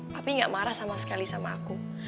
papi nggak marah sama sekali sama aku